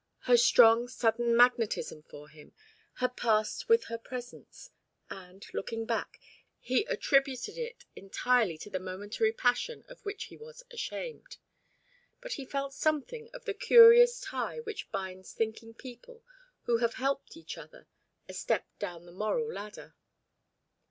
Her strong sudden magnetism for him had passed with her presence, and, looking back, he attributed it entirely to the momentary passion of which he was ashamed; but he felt something of the curious tie which binds thinking people who have helped each other a step down the moral ladder.